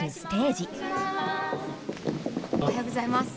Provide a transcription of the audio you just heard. おはようございます。